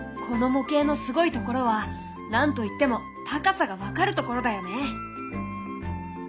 この模型のすごいところは何と言っても高さが分かるところだよね。